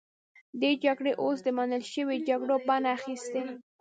دې جګړو اوس د منل شویو جګړو بڼه اخیستې.